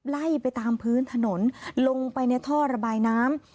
ไล่ไปตามพื้นถนนลงไปในท่อระบายน้ำ